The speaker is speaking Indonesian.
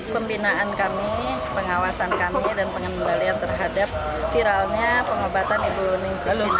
pembinaan kami pengawasan kami dan pengembalian terhadap viralnya pengobatan ibu ning si tinampi